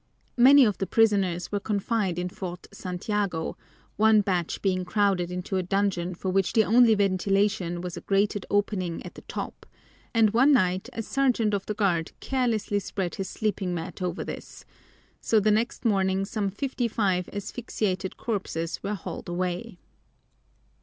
Many of the prisoners were confined in Fort Santiago, one batch being crowded into a dungeon for which the only ventilation was a grated opening at the top, and one night a sergeant of the guard carelessly spread his sleeping mat over this, so the next morning some fifty five asphyxiated corpses were hauled away.